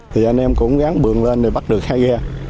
thì anh em cũng gắn bường lên để bắt được hai ghe